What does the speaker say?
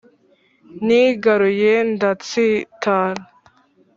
nigaruye ndatsitara